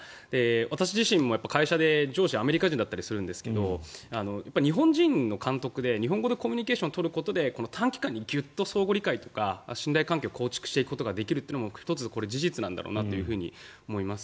私自身も会社で上司、アメリカ人だったりするんですが日本人の監督で日本語でコミュニケーションを取ることで短期間にギュッと相互理解とか信頼関係を構築していくことができるっていうのもこれ、１つ事実なんだろうなと思います。